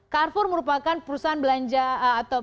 carfor merupakan perusahaan belanja atau